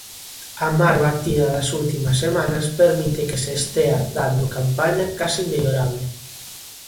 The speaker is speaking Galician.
A mar batida das últimas semanas permite que se estea dando campaña case inmellorable.